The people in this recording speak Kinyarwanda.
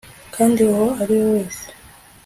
kandi uwo ari we wese